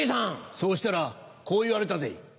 そうしたらこう言われたぜ。